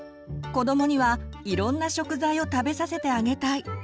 子どもにはいろんな食材を食べさせてあげたい！